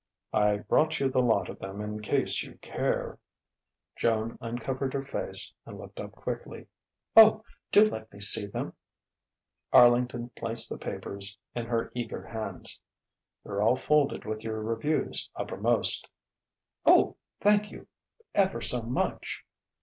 I brought you the lot of them in case you care " Joan uncovered her face and looked up quickly. "Oh, do let me see them!" Arlington placed the papers in her eager hands. "They're all folded with your reviews uppermost." "Oh, thank you ever so much!"